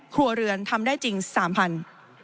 ครัวเรือนทำได้จริง๓๐๐บาท